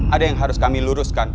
ada yang harus kami luruskan